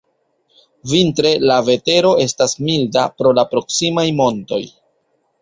Vintre la vetero estas milda pro la proksimaj montoj.